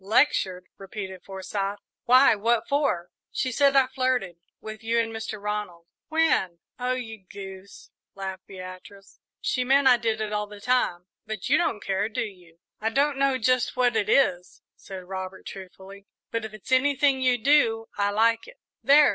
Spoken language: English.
"Lectured!" repeated Forsyth. "Why, what for?" "She said I flirted with you and Mr. Ronald." "When?" "Oh, you goose," laughed Beatrice. "She meant I did it all the time; but you don't care, do you?" "I don't know just what it is," said Robert, truthfully; "but if it's anything you do, I like it." "There!"